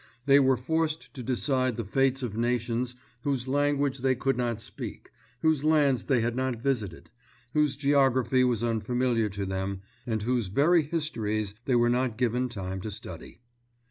They were forced to decide the fates of nations whose language they could not speak, whose lands they had not visited, whose geography was unfamiliar to them and whose very histories they were not given time to study.